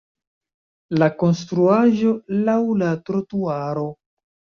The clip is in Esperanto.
La konstruaĵo laŭ la trotuaro.